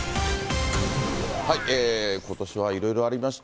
ことしはいろいろありました。